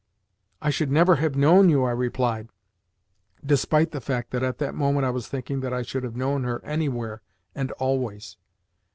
"I should never have known you," I replied, despite the fact that at the moment I was thinking that I should have known her anywhere and always.